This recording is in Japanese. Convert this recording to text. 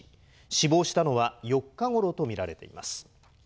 死亡したのは４日ごろと見られています。